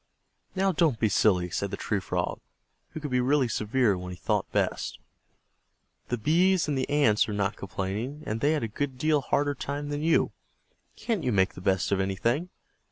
"Now don't be silly," said the Tree Frog, who could be really severe when he thought best, "the Bees and the Ants are not complaining, and they had a good deal harder time than you. Can't you make the best of anything?